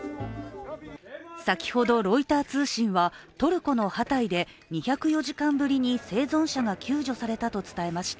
先ほどロイター通信は、トルコのハタイで２０４時間ぶりに生存者が救助されたと伝えました。